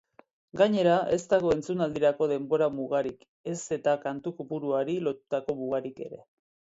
Gainera, ez dago entzunaldirako denbora-mugarik ez eta kantu-kopuruari lotutako mugarik ere.